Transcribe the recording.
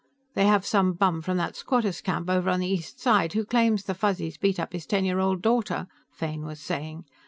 "They have some bum from that squatters' camp over on the East Side who claims the Fuzzies beat up his ten year old daughter," Fane was saying.